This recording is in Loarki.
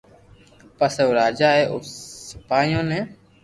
پسي او راجا اي او سپايو ني